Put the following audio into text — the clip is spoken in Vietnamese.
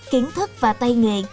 kiến thức và tay nghề